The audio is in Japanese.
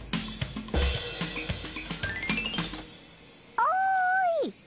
おい！